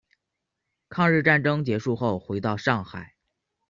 抗日战争结束后回到上海。